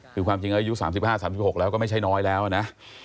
คือความจริงอายุ๓๕๓๖แล้วก็ไม่ใช่น้อยแล้วนะ